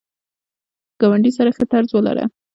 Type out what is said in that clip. ګاونډي سره ښه طرز ولره